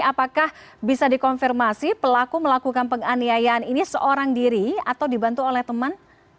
apakah bisa dikonfirmasi pelaku melakukan penganiayaan ini seorang diri atau dibantu oleh teman